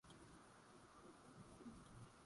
aa bei zaa bei duni